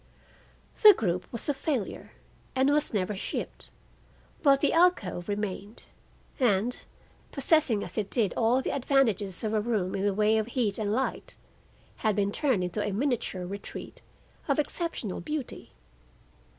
The group was a failure and was never shipped; but the alcove remained, and, possessing as it did all the advantages of a room in the way of heat and light, had been turned into a miniature retreat of exceptional beauty.